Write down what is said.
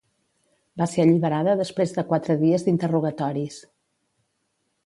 Va ser alliberada després de quatre dies d'interrogatoris.